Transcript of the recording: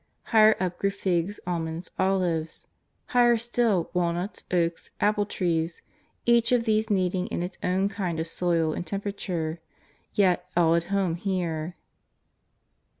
Higher up grew figs, almonds, olives. Higher still, walnut, oaks, apple trees, each of these needing its own kind of soil and temperature, yet all at home here.